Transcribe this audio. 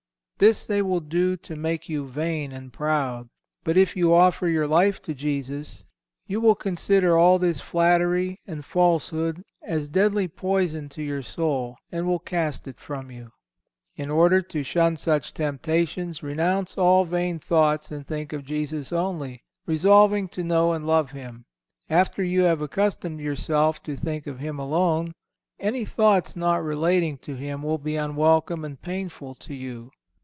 This they will do to make you vain and proud. But if you offer your life to Jesus you will consider all this flattery and falsehood as deadly poison to your soul, and will cast it from you. In order to shun such temptations renounce all vain thoughts and think of Jesus only, resolving to know and love Him. After you have accustomed yourself to think of Him alone, any thoughts not relating to Him will be unwelcome and painful to you.